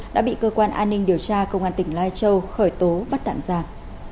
đã bị cơ quan an ninh điều tra công an tỉnh lai châu khởi tố bắt tạm giam